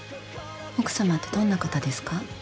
奥様ってどんな方ですか？